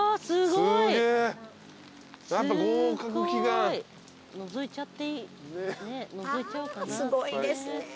すごいですね。